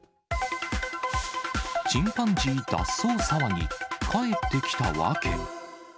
チンパンジー脱走騒ぎ、帰ってきた訳。